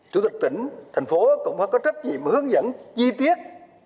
chủ tịch tỉnh thành phố cũng phải có trách nhiệm hướng dẫn chi tiết